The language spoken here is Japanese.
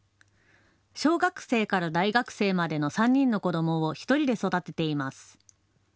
小学生から大学生までの３人の子どもを１人で育てています。